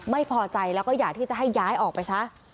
ไม่พอใจแล้วก็อยากที่จะให้ย้ายออกไปซะ